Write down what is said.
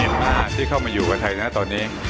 เรียบร้อนหลายตัวที่เข้ามาอยู่กับไทยนะตอนนี้